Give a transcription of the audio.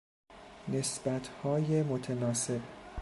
نسبت های متناسب